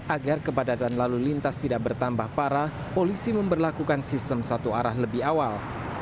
agar kepadatan lalu lintas tidak bertambah parah polisi memperlakukan sistem satu arah lebih awal